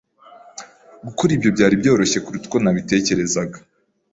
Gukora ibyo byari byoroshye kuruta uko nabitekerezaga.